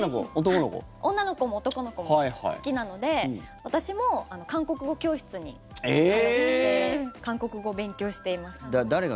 女の子も男の子も好きなので私も韓国語教室に通って韓国語、勉強しています。